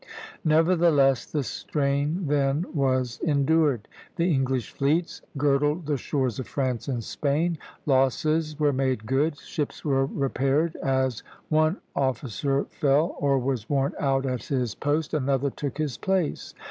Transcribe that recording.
" Nevertheless, the strain then was endured. The English fleets girdled the shores of France and Spain; losses were made good; ships were repaired; as one officer fell, or was worn out at his post, another took his place.